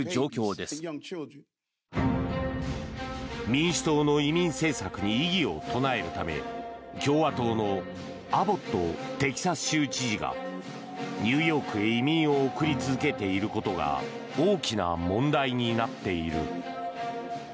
民主党の移民政策に異議を唱えるため共和党のアボットテキサス州知事がニューヨークへ移民を送り続けていることが大きな問題になっている。